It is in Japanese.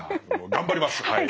頑張りますはい。